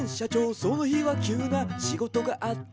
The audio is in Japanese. その日はきゅうなしごとがあって」